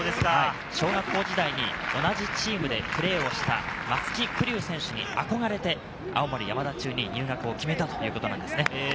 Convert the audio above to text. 小学校時代に同じチームでプレーをした松木玖生選手にあこがれて、青森山田中に入学を決めたということです。